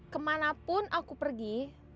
kemanapun aku pergi